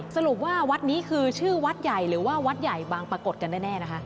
สรุปว่าวัดนี้คือชื่อวัดใหญ่หรือว่าวัดใหญ่บางปรากฏกันแน่นะคะ